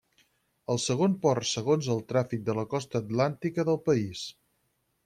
El segon port segons el tràfic de la costa atlàntica del país.